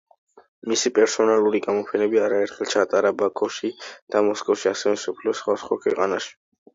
მისი პერსონალური გამოფენები არაერთხელ ჩატარდა ბაქოში და მოსკოვში, ასევე მსოფლიოს სხვადასხვა ქვეყანაში.